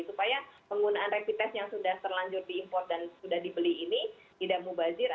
supaya penggunaan rapid test yang sudah terlanjur diimport dan sudah dibeli ini tidak mubazir